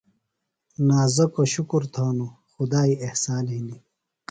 نازکوۡ شُکر تھانوۡ۔ خدائی احسان ہِنیۡ۔